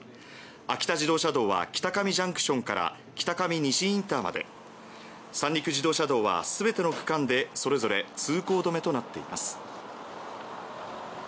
秋田自動車道は北上ＪＣＴから北上西インターまで三陸自動車道は全ての区間でそれぞれ通行止めとなっています。